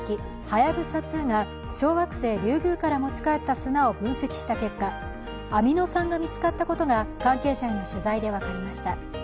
「はやぶさ２」が小惑星リュウグウから持ち帰った砂を分析した結果、アミノ酸が見つかったことが関係者への取材で分かりました。